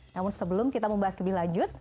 namun sebelum kita membahas lebih lanjut